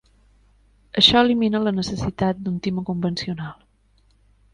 Això elimina la necessitat d'un timó convencional.